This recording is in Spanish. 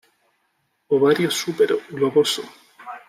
Ovario súpero, globoso.